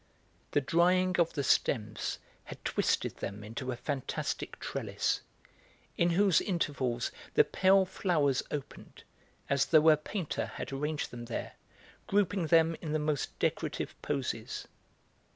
The drying of the stems had twisted them into a fantastic trellis, in whose intervals the pale flowers opened, as though a painter had arranged them there, grouping them in the most decorative poses.